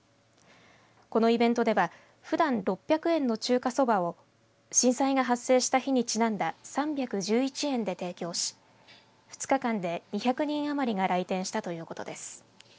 このイベントではふだん６００円の中華そばを震災が発生した日にちなんだ３１１円で提供し２日間で２００人あまりが来店したということです。